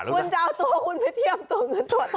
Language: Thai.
ต้องเอาตัวคุณไปเทียบตัวผง